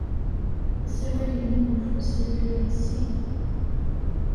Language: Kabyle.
Asawal-inu n ufus yella yeɣsi.